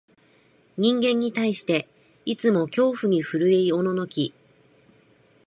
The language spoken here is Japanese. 人間に対して、いつも恐怖に震いおののき、